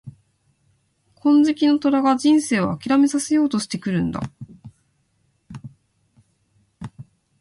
金色の虎が人生を諦めさせようとしてくるんだ。